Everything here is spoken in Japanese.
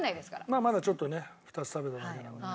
まあまだちょっとね２つ食べただけなので。